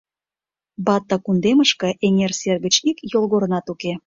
Батта кундемышке эҥер сер гыч ик йолгорнат уке.